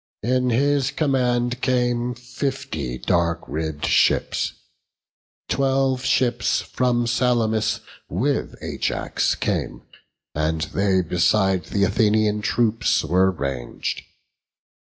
In his command came fifty dark ribb'd ships. Twelve ships from Salamis with Ajax came, And they beside th' Athenian troops were rang'd.